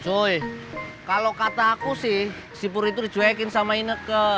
cuy kalau kata aku sih sipur itu dijoekin sama ineke